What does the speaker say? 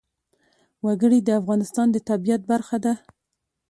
وګړي د افغانستان د طبیعت برخه ده.